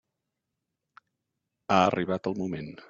Ha arribat el moment.